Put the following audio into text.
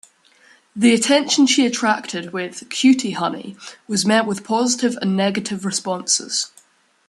The attention she attracted with "Cutie Honey" was met with positive and negative responses.